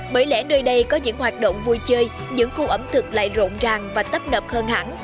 bởi lẽ nơi đây có những hoạt động vui chơi những khu ẩm thực lại rộn ràng và tấp nập hơn hẳn